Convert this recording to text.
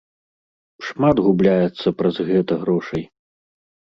Шмат губляецца праз гэта грошай.